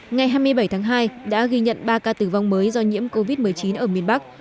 ngày hai mươi bảy tháng hai đã ghi nhận ba ca tử vong mới do nhiễm covid một mươi chín ở miền bắc